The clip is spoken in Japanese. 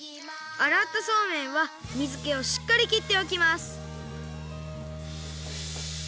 あらったそうめんはみずけをしっかりきっておきます。